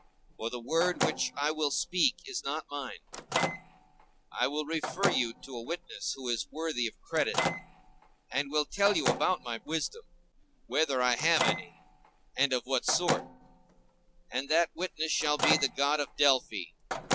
For the word which I will speak is not mine. I will refer you to a witness who is worthy of credit, and will tell you about my wisdom—whether I have any, and of what sort—and that witness shall be the god of Delphi.